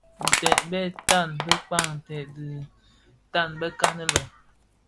Nted bè tan bëkpan ntèd dhi tan bekan le.